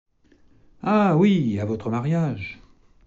Ah! oui, à votre mariage...